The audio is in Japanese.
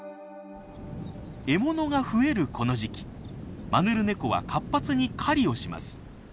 獲物が増えるこの時期マヌルネコは活発に狩りをします。